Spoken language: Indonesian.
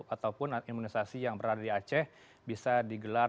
ataupun imunisasi yang berada di aceh bisa digelar